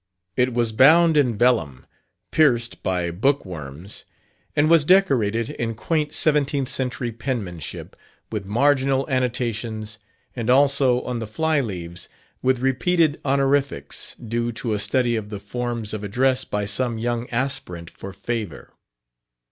It was bound in vellum, pierced by bookworms, and was decorated, in quaint seventeenth century penmanship, with marginal annotations, and also, on the fly leaves, with repeated honorifics due to a study of the forms of address by some young aspirant for favor.